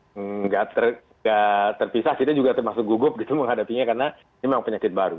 tidak terkait pisah kita juga termasuk gugup menghadapinya karena ini memang penyakit baru